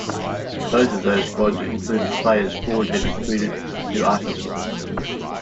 Both of those squads included players Ford had recruited to Arkansas.